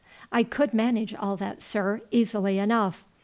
"I could manage all that, sir, easily enough.